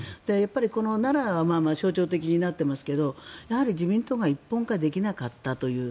この奈良が象徴的になってますけどやはり自民党が一本化できなかったという。